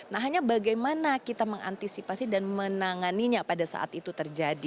nah hanya bagaimana kita mengantisipasi dan menanganinya pada saat itu terjadi